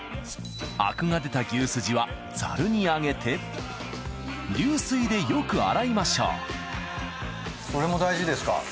アクが出た牛すじはざるにあげて流水でよく洗いましょうこれも大事ですか？